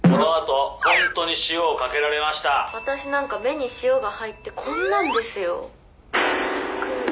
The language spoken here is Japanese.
私なんか目に塩が入ってこんなんですよ。